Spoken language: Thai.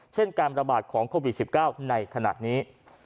เช่นการบรรบาทของโควิดสิบเก้าในขณะนี้